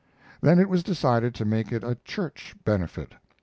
Then it was decided to make it a church benefit.